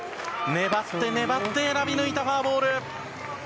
粘って粘って選び抜いたフォアボール。